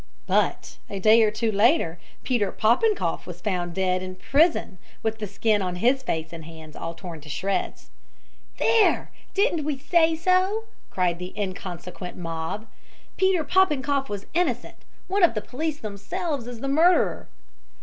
But a day or two later, Peter Popenkoff was found dead in prison with the skin on his face and hands all torn to shreds. "There! Didn't we say so?" cried the inconsequent mob. "Peter Popenkoff was innocent. One of the police themselves is the murderer."